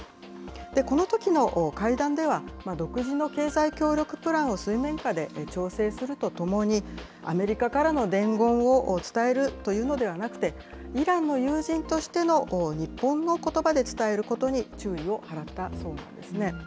このときの会談では、独自の経済協力プランを水面下で調整するとともに、アメリカからの伝言を伝えるというのではなくて、イランの友人としての日本のことばで伝えることに注意を払ったそうなんですね。